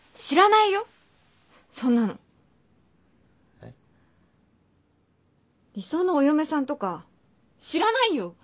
えっ？理想のお嫁さんとか知らないよ。